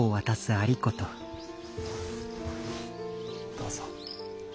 どうぞ。